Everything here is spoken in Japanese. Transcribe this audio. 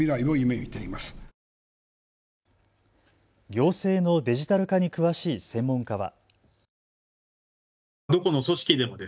行政のデジタル化に詳しい専門家は。